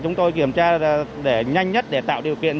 chúng tôi kiểm tra để nhanh nhất để tạo điều kiện